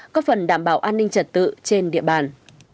có phần đảm bảo an ninh trật tự trên địa bàn